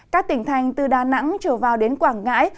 các tỉnh thành từ đà nẵng trở vào đến quảng ngãi